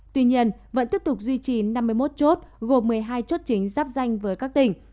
tuy nhiên vẫn tiếp tục duy trì năm mươi một chốt gồm một mươi hai chốt chính giáp danh với các tỉnh